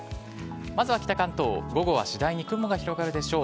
まずは北関東、午後は次第に雲が広がるでしょう。